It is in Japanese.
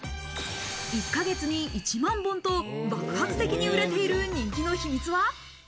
１か月に１万本と爆発的に売れている人気の秘密は。